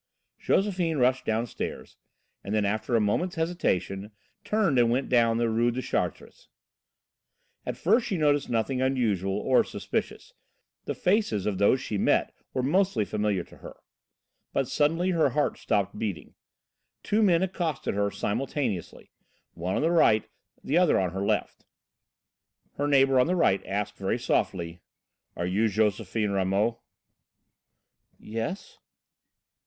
Josephine rushed downstairs, and then, after a moment's hesitation, turned and went down the Rue de Chartres. At first she noticed nothing unusual or suspicious. The faces of those she met were mostly familiar to her. But suddenly her heart stopped beating. Two men accosted her simultaneously, one on her right, the other on her left. Her neighbour on the right asked very softly: "Are you Josephine Ramot?" "Yes."